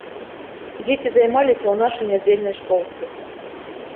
Дзеці займаліся ў нашай нядзельнай школцы.